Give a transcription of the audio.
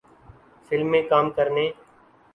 film میں کام کرنے